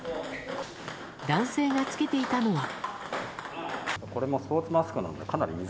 男性が着けていたのは。